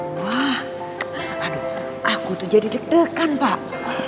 wah aduh aku tuh jadi deg degan pak